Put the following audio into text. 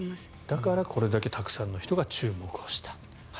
だからこれだけたくさんの人が注目をした。